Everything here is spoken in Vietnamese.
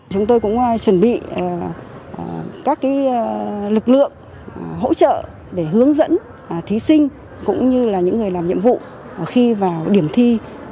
chúng tôi cũng chuẩn bị các lực lượng hỗ trợ để hướng dẫn thí sinh cũng như là những người làm nhiệm vụ khi vào điểm thi